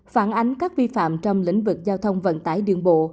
phản ánh các vi phạm trong lĩnh vực giao thông vận tải đường bộ